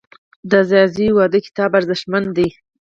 د ځاځیو واده کتاب ارزښتمن دی.